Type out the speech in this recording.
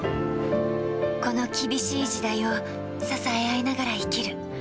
この厳しい時代を支え合いながら生きる。